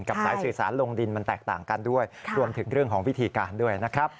สายสื่อสารลงดินมันแตกต่างกันด้วยรวมถึงเรื่องของวิธีการด้วยนะครับ